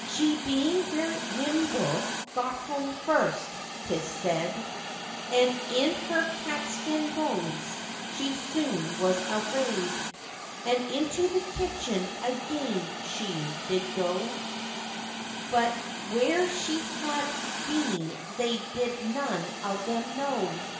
She being very nimble, got home first, 'tis said, And in her catskin robes she soon was arrayed; And into the kitchen again she did go, But where she had been they did none of them know.